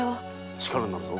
力になるぞ。